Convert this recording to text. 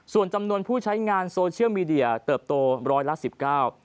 ส่วนจำนวนผู้ใช้งานโซเชียลมีเดียเติบโตร้อยละสิบเก้า